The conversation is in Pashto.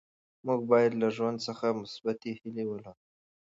موږ باید له ژوند څخه مثبتې هیلې ولرو.